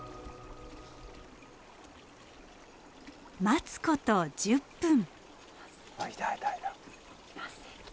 待つこと１０分。